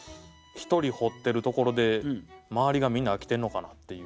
一人掘ってるところで周りがみんな飽きてんのかなっていう。